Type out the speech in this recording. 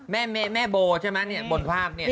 แม่โบใช่ไหมเนี่ยบนภาพเนี่ย